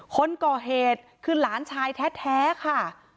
คนก่อเหตุคือหลานชายแท้ค่ะ